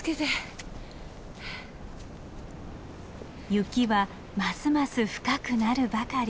雪はますます深くなるばかり。